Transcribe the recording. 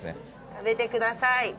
食べてください。